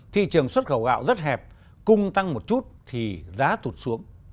thị trường xuất khẩu gạo rất hẹp cung tăng một chút thì giá tụt xuống